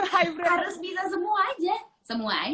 harus bisa semua aja semua aja